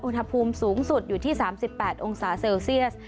อุณหภูมิสูงสุดอยู่ที่๓๘องศาเซลเซียส